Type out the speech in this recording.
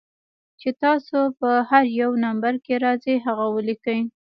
چې تاسو پۀ هر يو نمبر کښې راځئ هغه وليکئ